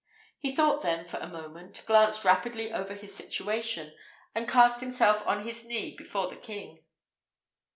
He thought then for a moment, glanced rapidly over his situation, and cast himself on his knee before the king.